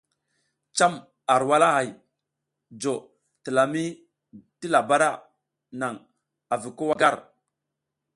Cam ar walahay jo talami ti labara naŋ avi ko wa gar.